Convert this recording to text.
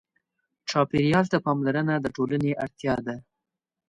چاپېریال ته پاملرنه د ټولنې اړتیا ده.